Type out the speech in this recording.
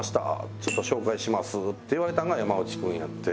ちょっと紹介します」って言われたんが山内君やって。